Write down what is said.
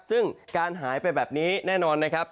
ซึ่งการหายไปแบบนี้แน่นอนนะครับ